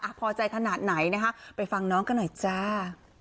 พอใจขนาดไหนนะคะไปฟังน้องกันหน่อยจ้า